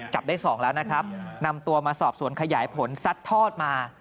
จับได้สองแล้วนะครับนำตัวมาสอบสวนขยายผลซัดทอดมา